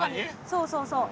そうそうそう。